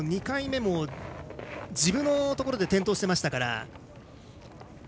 ２回目もジブのところで転倒していましたから。